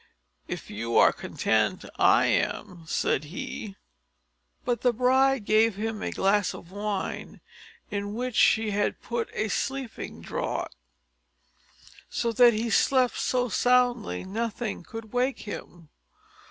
"If you are content, I am," said he. But the bride gave him a glass of wine, in which she had put a sleeping draught; so that he slept so soundly, nothing could wake him.